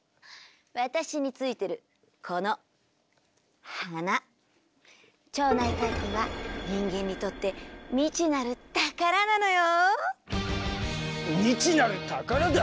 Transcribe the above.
私についてるこの花腸内細菌は人間にとって未知なる宝なのよ。